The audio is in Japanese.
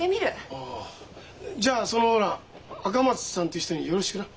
ああじゃあそのほら赤松さんっていう人によろしくな。